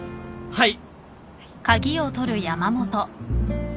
はい。